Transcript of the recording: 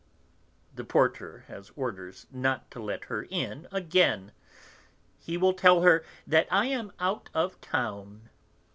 The porter has orders not to let her in again; he will tell her that I am out of town.